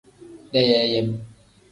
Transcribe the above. Deyeeyem.